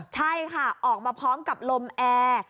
ใช่ค่ะออกมาพร้อมกับลมแอร์